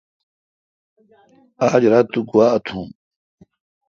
آج رات تو گوا تھون۔